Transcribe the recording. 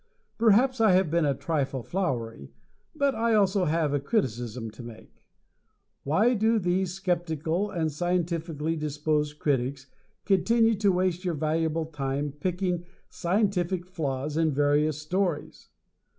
Perhaps I have been a trifle flowery, but I also have a criticism to make. Why do these skeptical and scientifically disposed critics continue to waste your valuable time picking scientific flaws in various stories?